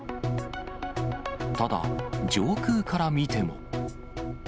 ただ、上空から見ても。